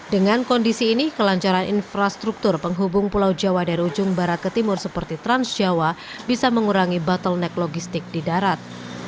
dengan kondisi ini kelancaran infrastruktur penghubung pulau jawa dari ujung barat ke timur seperti transjawa bisa mengurangi bottleneck logistik di darat